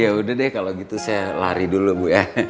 ya udah deh kalau gitu saya lari dulu bu ya